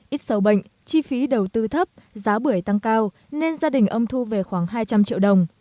ít sầu bệnh chi phí đầu tư thấp giá bưởi tăng cao nên gia đình ông thu về khoảng hai trăm linh triệu đồng